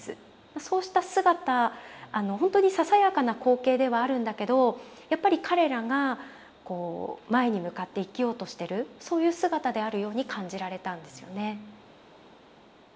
そうした姿ほんとにささやかな光景ではあるんだけどやっぱり彼らがこう前に向かって生きようとしてるそういう姿であるように感じられたんですよね。